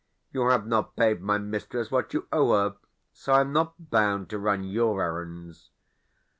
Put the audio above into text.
"You have not paid my mistress what you owe her, so I am not bound to run your errands."